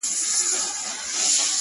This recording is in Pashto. ستا له تصويره سره;